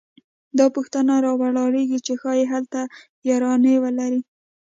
دا پوښتنه راولاړېږي چې ښايي هلته یارانې ولري